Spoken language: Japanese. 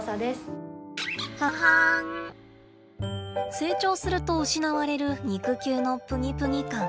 成長すると失われる肉球のプニプニ感。